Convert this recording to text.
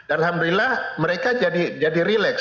alhamdulillah mereka jadi relax